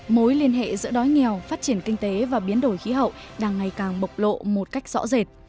mối liên hệ giữa đói nghèo phát triển kinh tế và biến đổi khí hậu đang ngày càng bộc lộ một cách rõ rệt